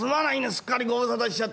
すっかりご無沙汰しちゃって。